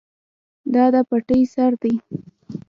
دا د پټی سر دی.